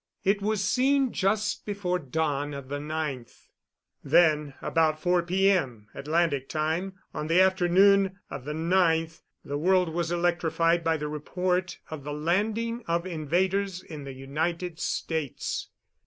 It was seen just before dawn of the 9th. Then, about 4 P.M., Atlantic time, on the afternoon of the 9th, the world was electrified by the report of the landing of invaders in the United States.